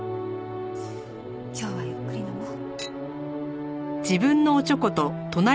今日はゆっくり飲もう。